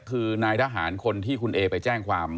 คือนายทหารคนที่คุณเอไปแจ้งความ